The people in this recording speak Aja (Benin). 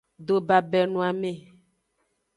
Dobabenoame.